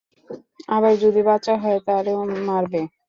আবার যদি বাচ্চা হয় তারেও মারবে।